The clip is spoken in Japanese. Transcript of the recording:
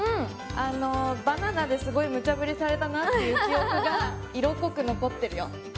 あのバナナですごいムチャぶりされたなっていう記憶が色濃く残ってるよ。